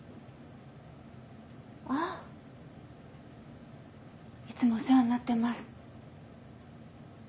あいつもお世話になってます。